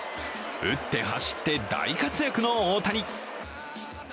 打って、走って大活躍の大谷。